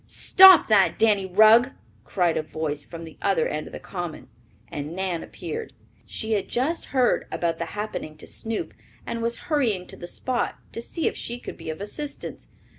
"Stop that, Danny Rugg!" cried a voice from the other end of the common, and Nan appeared. She had just heard about the happening to Snoop and was hurrying to the spot to see if she could be of assistance.